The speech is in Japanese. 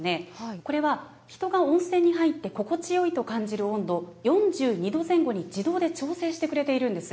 これは人が温泉に入って心地よいと感じる温度４２度前後に自動で調整してくれているんです。